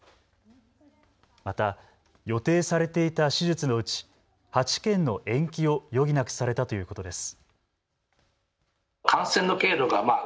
また予定されていた手術のうち８件の延期を余儀なくされたということです。